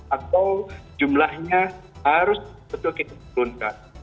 atau jumlahnya harus betul kita meluncurkan